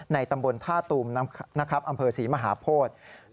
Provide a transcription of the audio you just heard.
ตำบลท่าตูมอำเภอศรีมหาโพธิ